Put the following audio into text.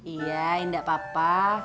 iya indah papa